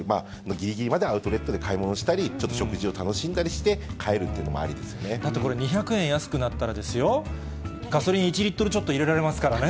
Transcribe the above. ぎりぎりまでアウトレットで買い物したり、ちょっと食事を楽しんだりして、帰るっていうのもありだってこれ、２００円安くなったらですよ、ガソリン１リットルちょっと入れられますからね。